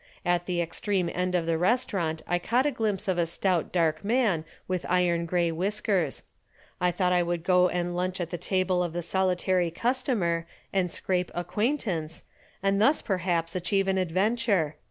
At the extreme end of the restaurant I caught a glimpse of a stout dark man with iron gray whiskers. I thought I would go and lunch at the table of the solitary customer and scrape acquaintance, and thus perhaps achieve an adventure.